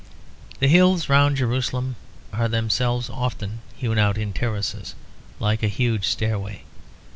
The hills round Jerusalem are themselves often hewn out in terraces, like a huge stairway.